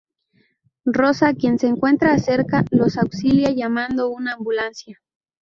Rosa, quien se encuentra cerca, los auxilia, llamando una ambulancia.